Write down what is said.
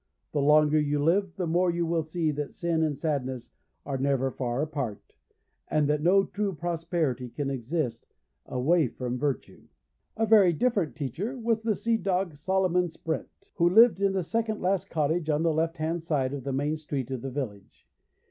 The longer you live the more you will see that sin and sadness are never far apart, and that no true prosperity can exist away from virtue.' A very different teacher was the sea dog Solomon Sprent, who lived in the second last cottage on the left hand side of the main street of the village.